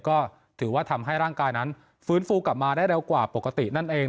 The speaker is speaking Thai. ก็ถือว่าทำให้ร่างกายนั้นฟื้นฟูกลับมาได้เร็วกว่าปกตินั่นเอง